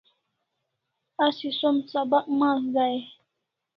Asi som sabak mas dai e?